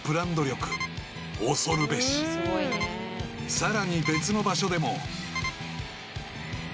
［さらに別の場所でも］